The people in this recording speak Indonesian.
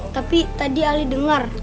tapi tadi ali dengar